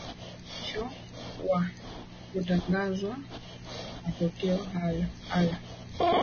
sho wa kutangazwa matokeo haya